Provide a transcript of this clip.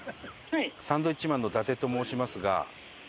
サンドウィッチマンの伊達と申しますが。